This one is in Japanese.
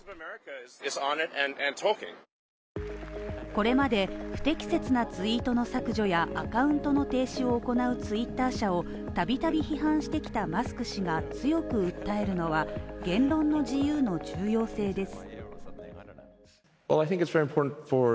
これまで不適切なツイートの削除やアカウントの停止を行うツイッター社を度々批判してきたマスク氏が強く訴えるのは言論の自由の重要性です。